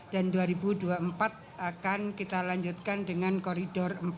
dan dua ribu dua puluh tiga kita berharap semua lancar kita akan melanjutkan dengan koridor dua dan koridor tiga